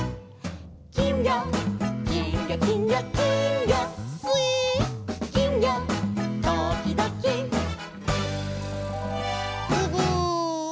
「きんぎょきんぎょきんぎょきんぎょ」「すいっ」「きんぎょときどき」「ふぐ！」